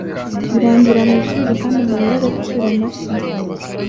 birangirira mubisubizo kandi amabuye y'agaciro mashya